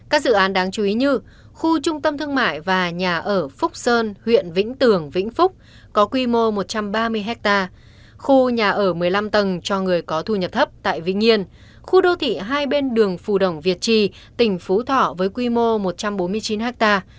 các dự án đáng chú ý như khu trung tâm thương mại và nhà ở phúc sơn huyện vĩnh tường vĩnh phúc có quy mô một trăm ba mươi ha khu nhà ở một mươi năm tầng cho người có thu nhập thấp tại vĩnh yên khu đô thị hai bên đường phù đồng việt trì tỉnh phú thọ với quy mô một trăm bốn mươi chín ha